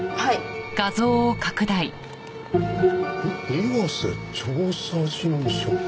「岩瀬調査事務所」。